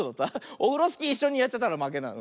オフロスキーいっしょにやっちゃったらまけなんだ。